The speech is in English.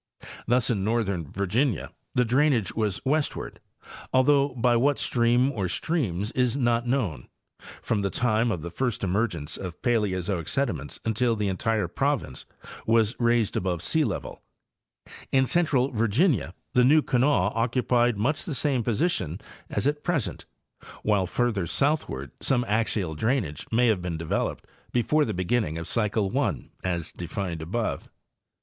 Thus in northern Virginia the drainage was westward, though by what stream or streams is not known, from the time of the first emergence of Paleozoic sediments until the entire province was raised above sealevel; in central Vir ginia the New Kanawha occupied much the same position as at © Earliest Drainage of the Province. 10] present ; while farther southward some axial drainage may have been developed before the beginning of cycle 1, as defined above.